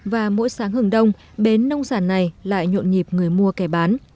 và mỗi sáng hừng đông bến nông sản này lại nhộn nhịp người mua kẻ bán